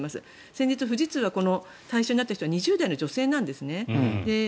先日、富士通の対象になった人は２０代の女性なんですね。